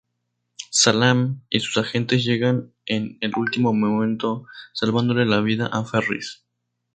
Salaam y sus agentes llegan en el último momento, salvándole la vida a Ferris.